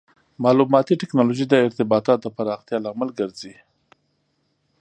مالوماتي ټکنالوژي د ارتباطاتو د پراختیا لامل ګرځي.